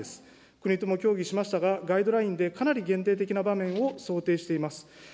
国とも協議しましたが、ガイドラインでかなり限定的な場面を想定しています。